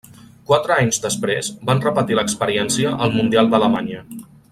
Quatre anys després, van repetir experiència al Mundial d'Alemanya.